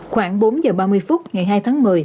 khoảng bốn giờ ba mươi phút ngày hai tháng một mươi